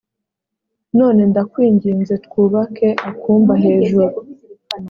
none ndakwinginze twubake akumba hejuru